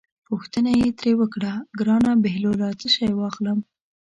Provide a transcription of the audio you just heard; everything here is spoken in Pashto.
پوښتنه یې ترې وکړه: ګرانه بهلوله څه شی واخلم.